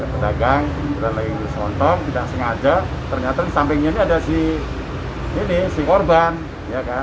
sudah lagi disontong tidak sengaja ternyata di sampingnya ini ada si korban ya kan